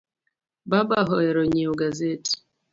Baba ohero nyieo gaset